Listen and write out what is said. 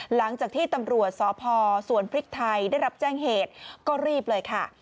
หลังจากที่ตำรวจสพสวนพริกไทยได้รับแจ้งเหตุก็รีบเลยค่ะ